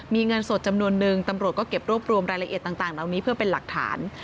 มีเงินสดจำนวนนึงตำรวจก็เก็บรวบรวมรายละเอียดต่างเหล่านี้เพื่อเป็นหลักฐาน